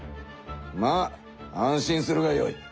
まあ安心するがよい。